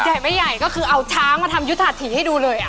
ใหญ่ไม่ใหญ่ก็คือเอาช้างมาทำยุทธาถีให้ดูเลย